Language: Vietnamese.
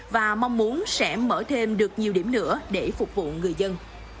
và mong muốn sẽ mở thêm được nhiều điểm nữa để phục vụ người dân